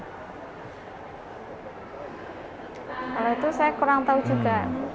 kalau itu saya kurang tahu juga